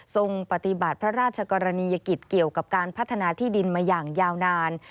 ปฏิบัติพระราชกรณียกิจเกี่ยวกับการพัฒนาที่ดินมาอย่างยาวนาน